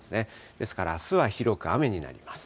ですから、あすは広く雨になります。